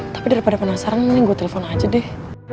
tapi daripada penasaran mending gue telepon aja deh